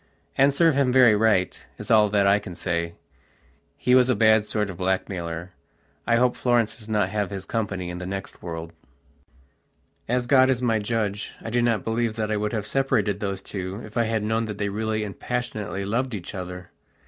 And serve him very right, is all that I can say. He was a bad sort of blackmailer; I hope Florence does not have his company in the next world. As God is my Judge, I do not believe that I would have separated those two if I had known that they really and passionately loved each other.